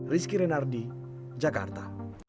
rizky renardi jakarta